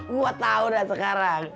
gua tau dah sekarang